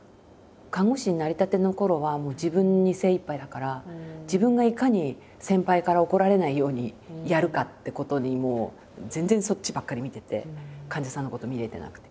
看護師になりたてのころは自分に精いっぱいだから自分がいかに先輩から怒られないようにやるかってことに全然そっちばっかり見てて患者さんのこと見れてなくて。